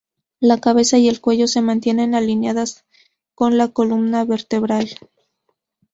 La cabeza y el cuello se mantienen alineadas con la columna vertebral.